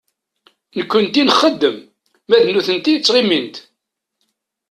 Nekkenti nxeddem, ma d nutenti ttɣimint.